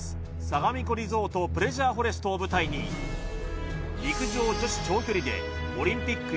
さがみ湖リゾートプレジャーフォレストを舞台に陸上女子長距離でオリンピック４